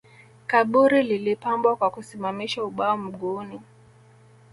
Kaburi lilipambwa kwa kusimamisha ubao mguuni